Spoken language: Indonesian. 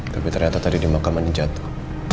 tapi ternyata tadi di makamannya jatuh